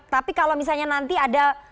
tapi kalau misalnya nanti ada